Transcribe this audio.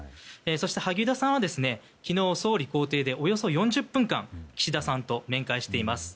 そして、萩生田さんは昨日、総理公邸でおよそ４０分間岸田さんと面会しています。